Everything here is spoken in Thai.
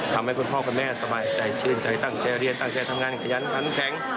คุณพ่อคุณแม่สบายใจชื่นใจตั้งใจเรียนตั้งใจทำงานขยันขันแข็ง